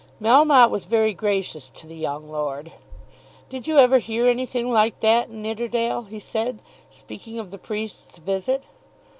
Melmotte was very gracious to the young lord. "Did you ever hear anything like that, Nidderdale?" he said, speaking of the priest's visit.